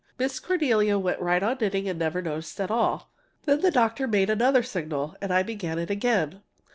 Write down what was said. Miss Cornelia went right on knitting and never noticed it at all. Then the doctor made another signal, and I began it again.